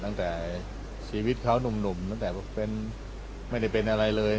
ตั้งแต่ชีวิตเขาหนุ่มตั้งแต่เป็นไม่ได้เป็นอะไรเลย